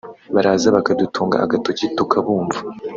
Baraza bakadutunga agatoki tukabumva